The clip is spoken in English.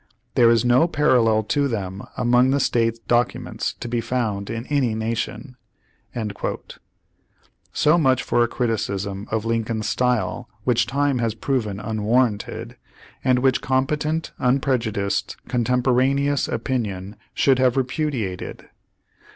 There is no parallel to them among the state documents to be found in any nation."* So much for a criticism of Lincoln's style which time has proven unwarranted, and which com petent unprejudiced cotemporaneous opinion should have repudiated.